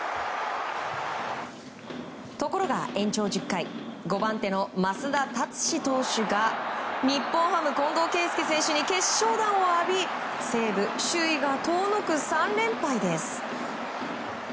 ところが延長１０回５番手の増田達至投手が日本ハム、近藤健介選手に決勝弾を浴び西武、首位が遠のく３連敗です。